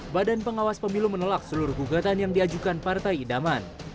badan pengawas pemilu menolak seluruh gugatan yang diajukan partai idaman